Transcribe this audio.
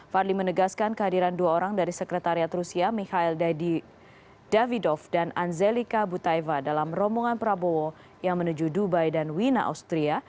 fadli menegaskan kehadiran dua orang dari sekretariat rusia mikhail davidov dan anzelika butaifa dalam rombongan prabowo yang menuju dubai dan wina austria